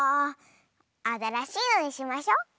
あたらしいのにしましょ。